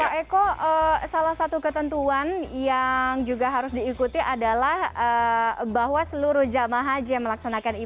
pak eko salah satu ketentuan yang juga harus diikuti adalah bahwa seluruh jemaah haji yang melaksanakan ibadah